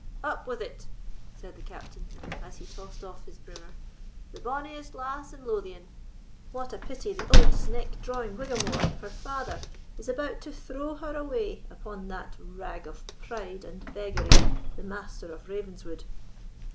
"Up with it," said the Captain, as he tossed off his brimmer, "the bonniest lass in Lothian! What a pity the old sneckdrawing Whigamore, her father, is about to throw her away upon that rag of pride and beggary, the Master of Ravenswood!"